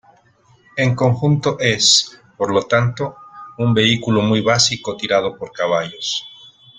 En conjunto es, por lo tanto, un vehículo muy básico tirado por caballos.